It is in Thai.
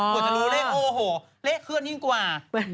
จะรู้เลขโอ้โหเลขเคลื่อนยิ่งกว่า